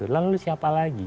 lalu siapa lagi